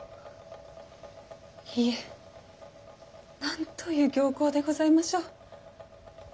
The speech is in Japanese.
いえなんという僥倖でございましょう。